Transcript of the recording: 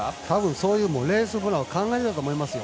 そういうレースプランを考えていたと思いますよ。